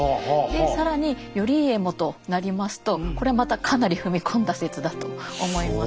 で更に頼家もとなりますとこれまたかなり踏み込んだ説だと思います。